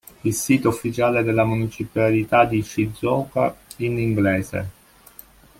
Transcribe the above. Il sito ufficiale della Municipalità di Shizuoka in inglese